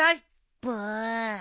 ブー。